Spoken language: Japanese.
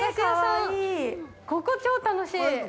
◆ここ超楽しい。